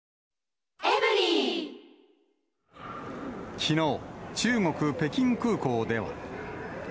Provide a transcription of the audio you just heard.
きのう、中国・北京空港では。